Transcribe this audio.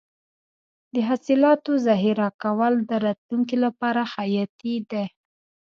د حاصلاتو ذخیره کول د راتلونکي لپاره حیاتي دي.